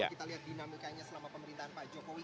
kita lihat dinamikanya selama pemerintahan pak jokowi